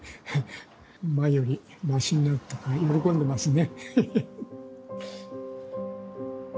前よりマシになったから喜んでますね。